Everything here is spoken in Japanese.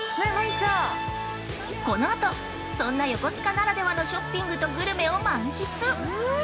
このあと、そんな、横須賀ならではのショッピングとグルメを満喫！